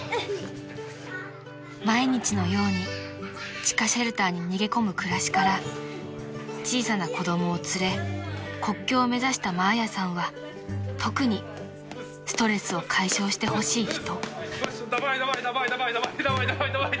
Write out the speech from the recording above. ［毎日のように地下シェルターに逃げ込む暮らしから小さな子供を連れ国境を目指したマーヤさんは特にストレスを解消してほしい人］